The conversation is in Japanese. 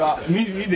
見て。